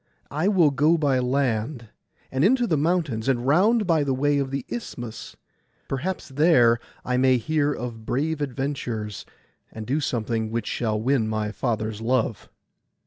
I will go by land, and into the mountains, and round by the way of the Isthmus. Perhaps there I may hear of brave adventures, and do something which shall win my father's love.